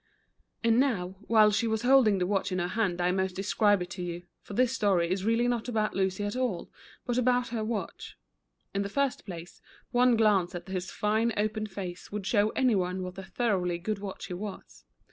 And now, while she is holding the watch in her hand I must describe it to you, for this story is really not about Lucy at all, but about her watch. In the first place, one glance at his fine open face, would show anyone what a thoroughly good watch he was.